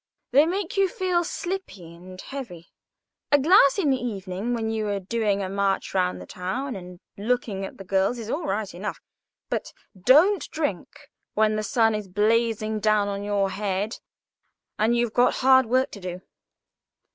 They make you feel sleepy and heavy. A glass in the evening when you are doing a mouch round the town and looking at the girls is all right enough; but don't drink when the sun is blazing down on your head, and you've got hard work to do.